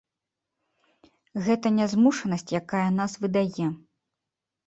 Гэта нязмушанасць, якая нас выдае.